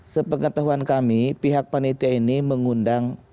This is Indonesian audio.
sepengetahuan kami pihak panitia ini mengundang para alim ulama